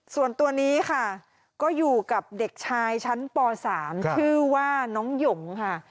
ส่วนตัวนี้ค่ะก็อยู่กับเด็กชายชั้นป๓ชื่อว่าน้องหยงค่ะ